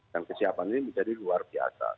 dan kesiapan ini menjadi luar biasa